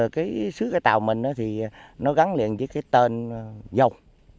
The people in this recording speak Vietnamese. cái xứ cái tàu mình đó thì nó gắn liền với cái tên dâu